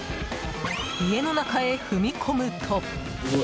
家の中へ踏み込むと。